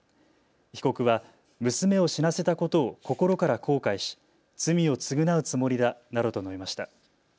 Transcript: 被告は娘を死なせたことを心から後悔し罪を償うつもりだなどと述べました。